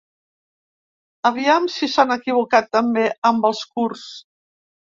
Aviam si s’han equivocat també amb els curts.